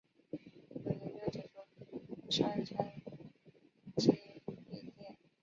有研究提出双三嗪基吡啶。